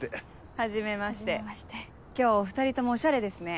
はじめまして今日お２人ともおしゃれですね。